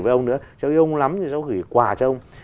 với ông nữa cháu yêu ông lắm nhưng mà cháu gửi quà cho ông